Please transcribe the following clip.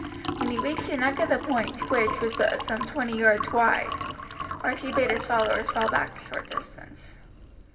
When he neared the neck of the point, which was but some twenty yards wide, Archie bade his followers fall back a short distance.